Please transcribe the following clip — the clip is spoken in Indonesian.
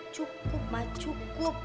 cukup ma cukup